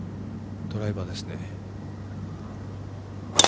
ドライバーですね。